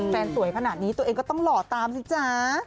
สวยขนาดนี้ตัวเองก็ต้องหล่อตามสิจ๊ะ